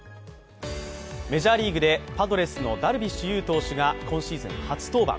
メジャーリーグでパドレスのダルビッシュ有投手が今シーズン初登板。